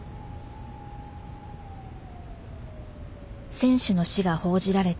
選手の死が報じられた